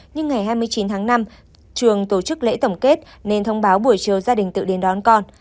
nhưng ngày hai mươi chín tháng năm trường tổ chức lễ tổng kết nên thông báo buổi chiều gia đình tự đến đón con